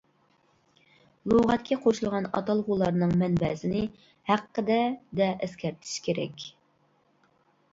لۇغەتكە قوشۇلغان ئاتالغۇلارنىڭ مەنبەسىنى «ھەققىدە» دە ئەسكەرتىش كېرەك.